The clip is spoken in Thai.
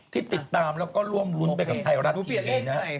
ที่ติดตามแล้วก็ร่วมรุนไปกับไทยรัฐถีเองนะ